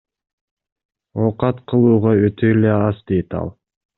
Оокат кылууга өтө эле аз, дейт ал.